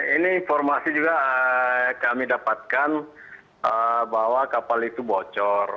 ini informasi juga kami dapatkan bahwa kapal itu bocor